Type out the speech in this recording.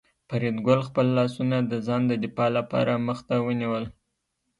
فریدګل خپل لاسونه د ځان د دفاع لپاره مخ ته ونیول